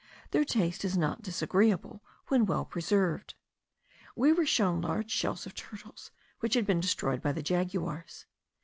Their taste is not disagreeable, when well preserved. We were shown large shells of turtles, which had been destroyed by the jaguars.